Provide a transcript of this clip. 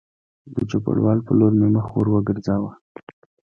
د چوپړوال په لور مې مخ ور وګرځاوه